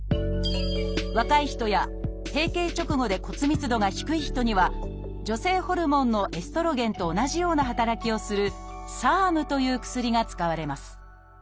若い人や閉経直後で骨密度が低い人には女性ホルモンのエストロゲンと同じような働きをする「ＳＥＲＭ」という薬が使われます